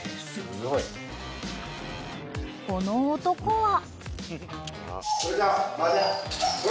［この男は］